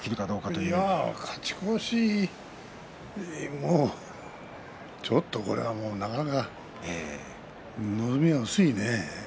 いやあ、勝ち越しはもうちょっとこれは、なかなか望みが薄いね。